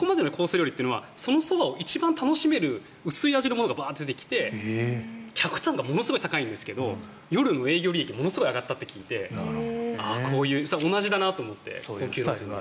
料理というのはそのそばを一番楽しめる薄い味のものがバーッと出てきて客単価ものすごい高いんですけど夜の営業利益がものすごく上がったと聞いてこれと同じだなと思って。